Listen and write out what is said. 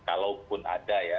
kalaupun ada ya